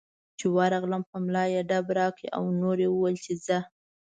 چې ورغلم په ملا یې ډب راکړ او نور یې وویل چې ځه.